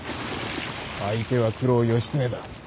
相手は九郎義経だ。